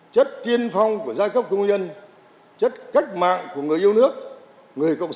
chất tiên phong của giai cấp công nhân chất cách mạng của người yêu nước người cộng sản